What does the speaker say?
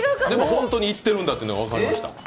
でも、本当に行ってるんだっていうのは分かりました。